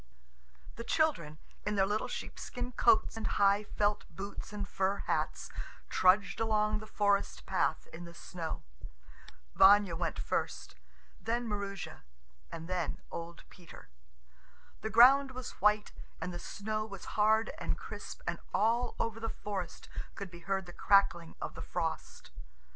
The children, in their little sheepskin coats and high felt boots and fur hats, trudged along the forest path in the snow. Vanya went first, then Maroosia, and then old Peter. The ground was white and the snow was hard and crisp, and all over the forest could be heard the crackling of the frost.